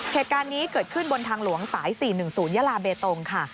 เหตุการณ์นี้เกิดขึ้นบนทางหลวงสาย๔๑๐ยาลาเบตงค่ะ